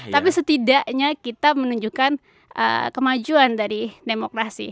tapi setidaknya kita menunjukkan kemajuan dari demokrasi